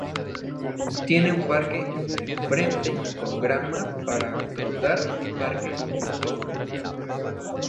Tiene un parque en el frente con grama para trotar y parque infantil.